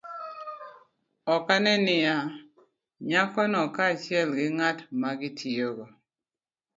Ok one niya, nyako no kaachiel gi ng'at ma gitiyogo